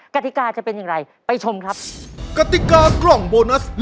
กติกาจะเป็นอย่างไรไปชมครับ